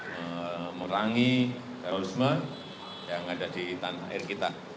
mengurangi terorisme yang ada di tanah air kita